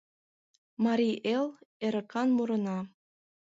Марий Эл — эрыкан мурына.